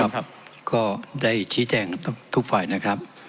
ก็ได้ชี้แจงทุกฝ่ายนะครับ